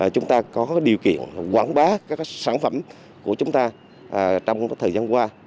chúng ta có điều kiện quảng bá các sản phẩm của chúng ta trong thời gian qua